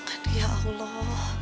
aduh ya allah